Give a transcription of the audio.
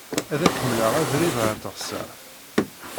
Ad ak-mleɣ abrid ɣer teɣsert.